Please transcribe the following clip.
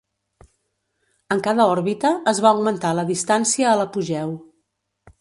En cada òrbita es va augmentar la distància a l'apogeu.